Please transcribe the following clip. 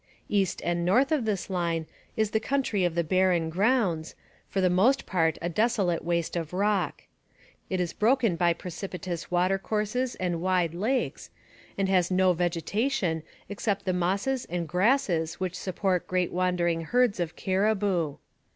East and north of this line is the country of the barren grounds, for the most part a desolate waste of rock. It is broken by precipitous watercourses and wide lakes, and has no vegetation except the mosses and grasses which support great wandering herds of caribou.